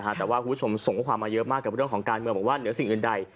แต่ว่าคุณผู้ชมส่งข้อความมาเยอะมากกับเรื่องของการเมืองบอกว่าเหนือสิ่งอื่นใด